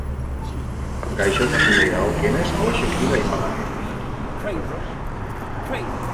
Gaixotasunei dagokienez, hauexek dira aipagarrienak.